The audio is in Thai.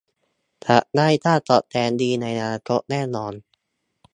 จะได้ค่าตอบแทนดีในอนาคตแน่นอน